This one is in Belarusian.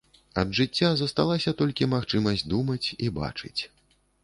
Ад жыцця засталася толькі магчымасць думаць і бачыць.